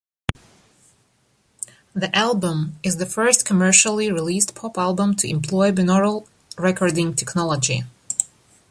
The album is the first commercially released pop album to employ binaural recording technology.